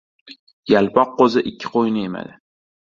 • Yalpoq qo‘zi ikki qo‘yni emadi.